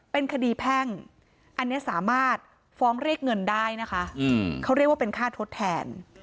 เป็นคดีแพ่งอันนี้สามารถฟ้องเรียกเงินได้นะคะเขาเรียกว่าเป็นค่าทดแทน